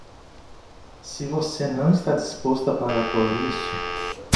Se você não está disposto a pagar por isso